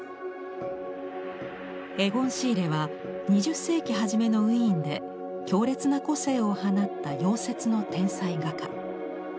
エゴン・シーレは２０世紀初めのウィーンで強烈な個性を放った夭折の天才画家。